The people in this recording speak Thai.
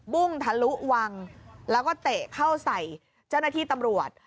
ุ้งทะลุวังแล้วก็เตะเข้าใส่เจ้าหน้าที่ตำรวจ